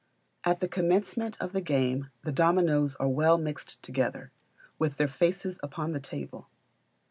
At the commencement of the game the dominoes are well mixed together, with their faces upon the table.